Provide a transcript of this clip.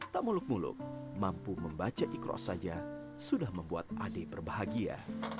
tak muluk muluk mampu membaca ikros saja sudah membuat ade berbahagia